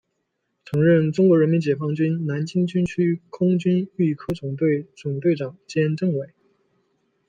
曾任中国人民解放军南京军区空军预科总队总队长兼政委。